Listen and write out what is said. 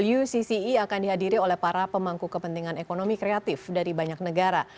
ucce akan dihadiri oleh para pemangku kepentingan ekonomi kreatif dari banyak negara